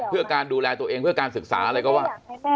เพื่อการดูแลตัวเองเพื่อการศึกษาอะไรก็ว่า